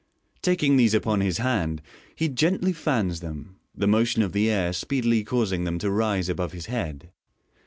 Taking these upon his hand, he gently fans them, the motion of the air speedily causing them to rise above his head.